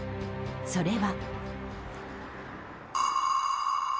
それは。